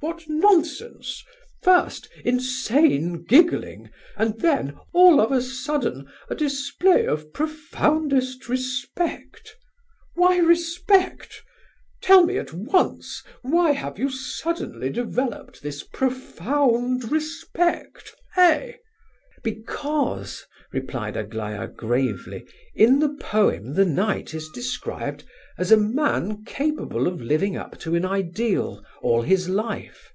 What nonsense! First, insane giggling, and then, all of a sudden, a display of 'profoundest respect.' Why respect? Tell me at once, why have you suddenly developed this 'profound respect,' eh?" "Because," replied Aglaya gravely, "in the poem the knight is described as a man capable of living up to an ideal all his life.